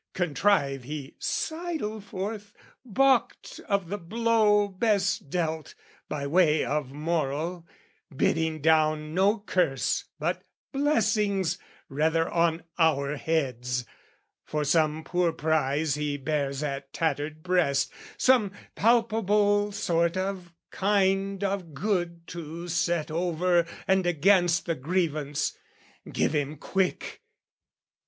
"Contrive he sidle forth, baulked of the blow "Best dealt by way of moral, bidding down "No curse but blessings rather on our heads "For some poor prize he bears at tattered breast, "Some palpable sort of kind of good to set "Over and against the grievance: give him quick!"